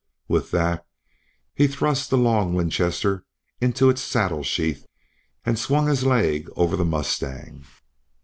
With that he thrust the long Winchester into its saddle sheath, and swung his leg over the mustang.